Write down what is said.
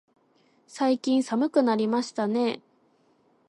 最近寒くなりましたね。